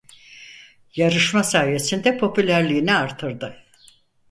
Yarışma sayesinde popülerliğini artırdı.